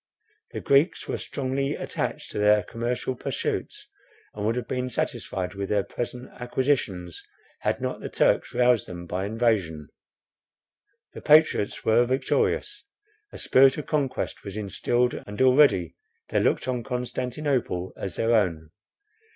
The Greeks were strongly attached to their commercial pursuits, and would have been satisfied with their present acquisitions, had not the Turks roused them by invasion. The patriots were victorious; a spirit of conquest was instilled; and already they looked on Constantinople as their own.